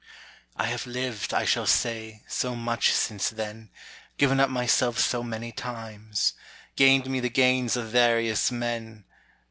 I have lived, I shall say, so much since then, Given up myself so many times, Gained me the gains of various men.